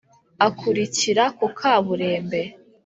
Akarukirira ku kaburembe !